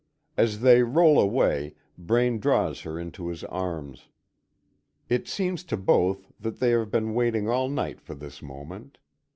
As they roll away, Braine draws her into his arms. It seems to both that they have been waiting all night for this moment.